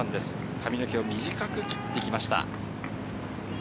髪の毛を短く切ってきました。